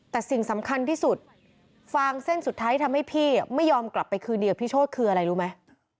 แต่สิ่งสำคัญที่สุดฟางเส้นสุดท้ายทำให้พี่ไม่ยอมกลับไปคืนเดียวพี่โชธคืออะไรรู้ไหม